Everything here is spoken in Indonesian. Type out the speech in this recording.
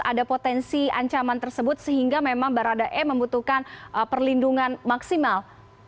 ada potensi ancaman tersebut sehingga memang baradae membutuhkan perlindungan maksimal